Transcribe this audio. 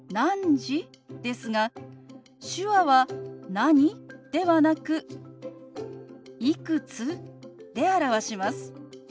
ですが手話は「何？」ではなく「いくつ？」で表します。